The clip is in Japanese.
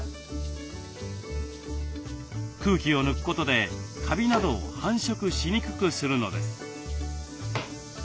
空気を抜くことでカビなどを繁殖しにくくするのです。